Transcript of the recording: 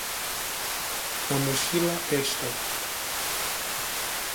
A mochila est